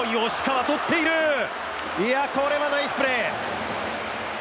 これはナイスプレー。